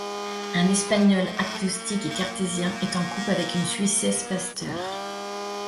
Un Espagnol agnostique et cartésien est en couple avec une Suissesse pasteure.